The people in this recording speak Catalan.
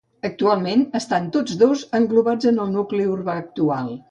Actualment estan tots dos englobats en el nucli urbà actual.